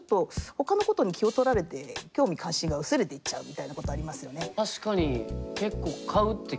ほかのことに気を取られて興味関心が薄れていっちゃうみたいなことありますよね？